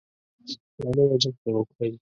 يو نـوی جـنګ شروع كړئ.